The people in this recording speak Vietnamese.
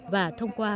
và thông qua các nước